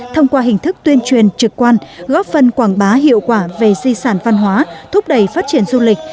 thông qua hình thức tuyên truyền trực quan góp phần quảng bá hiệu quả về di sản văn hóa thúc đẩy phát triển du lịch